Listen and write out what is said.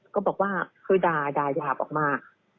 ก็บอกว่าคือด่ายาบออกมา